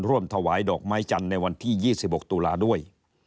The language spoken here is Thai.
ถวายดอกไม้จันทร์ในวันที่๒๖ตุลาด้วย